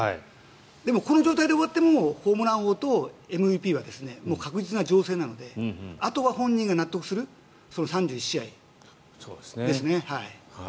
この状態で終わってもホームラン王とＭＶＰは確実な状況なのであとは本人が納得する３１試合ですね。